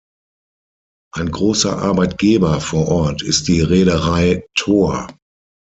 Ein großer Arbeitgeber vor Ort ist die Reederei Thor.